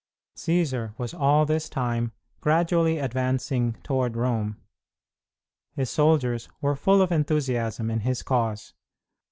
Cćsar was all this time gradually advancing toward Rome. His soldiers were full of enthusiasm in his cause.